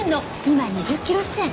今２０キロ地点。